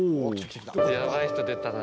やばい人出たな。